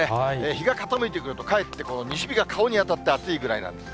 日が傾いてくると、かえって西日が顔に当たって暑いぐらいなんです。